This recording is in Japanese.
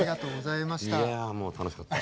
いやもう楽しかった。